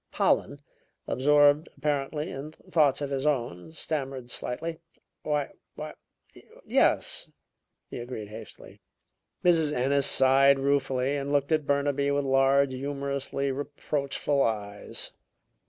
Pollen, absorbed apparently in thoughts of his own stammered slightly. "Why why, yes," he agreed hastily. Mrs. Ennis sighed ruefully and looked at Burnaby with large, humorously reproachful eyes.